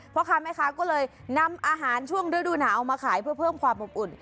พ่อค้าแม่ค้าก็เลยนำอาหารช่วงฤดูหนาวมาขายเพื่อเพิ่มความอบอุ่น